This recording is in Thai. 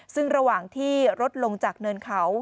ซึ่งระหว่างที่รถลงจากเนินเขา